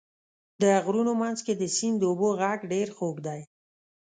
د غرونو منځ کې د سیند اوبو غږ ډېر خوږ دی.